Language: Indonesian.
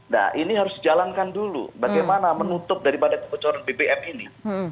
nah ini harus dijalankan dulu bagaimana menutup daripada kebocoran bbm ini